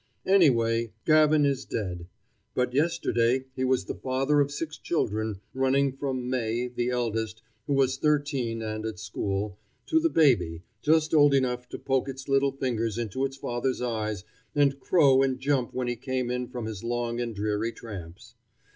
Anyway, Gavin is dead. But yesterday he was the father of six children, running from May, the eldest, who was thirteen and at school, to the baby, just old enough to poke its little fingers into its father's eyes and crow and jump when he came in from his long and dreary tramps.